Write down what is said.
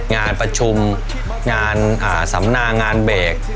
งานประชุมงานสำนางานเบรก